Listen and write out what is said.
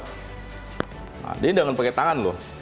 jadi jangan pakai tangan loh